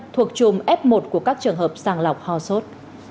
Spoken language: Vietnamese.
thuộc chùm f một của các trường hợp sàng lọc ho sốt